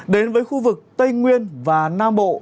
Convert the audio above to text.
đến với khu vực tây nguyên và nam bộ